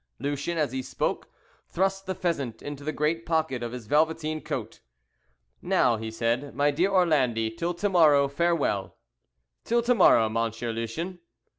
Lucien, as he spoke, thrust the pheasant into the great pocket of his velveteen coat. "Now," he said, "my dear Orlandi, till to morrow farewell." "Till to morrow, Monsieur Lucien?"